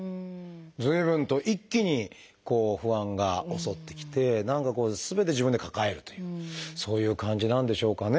随分と一気に不安が襲ってきて何かこうすべて自分で抱えるというそういう感じなんでしょうかね。